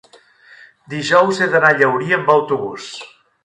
Dijous he d'anar a Llaurí amb autobús.